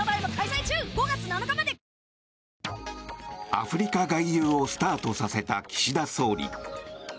アフリカ外遊をスタートさせた岸田総理。